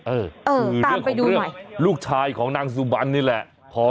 เออคือเรื่องของเรื่องลูกชายของนางสุบันนี่แหละ